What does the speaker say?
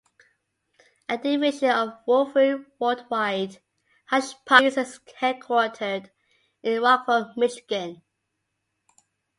A division of Wolverine World Wide, Hush Puppies is headquartered in Rockford, Michigan.